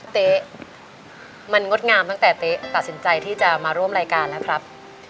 เต๊ะมันงดงามตั้งแต่เต๊ะตัดสินใจที่จะมาร่วมรายการแล้วครับ